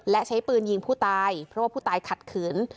และใช้ปืนยิงผู้ตายเพราะว่าผู้ตายขัดขืน